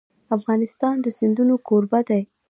افغانستان د سیندونه کوربه دی.